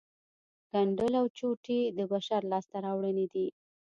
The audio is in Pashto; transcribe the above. ګنډل او چوټې د بشر لاسته راوړنې دي